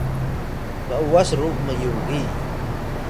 m’was ru myugiy